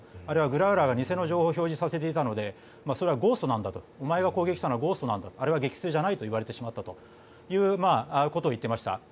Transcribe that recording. あれはグラウラーが偽の情報を表示させていたのでそれはゴーストなんだとお前が攻撃したのはゴーストなんだあれは撃墜じゃないと言われてしまったということを言っていました。